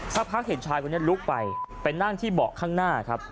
สักพักเห็นชายคนนี้ลุกไปไปนั่งที่เบาะข้างหน้าครับ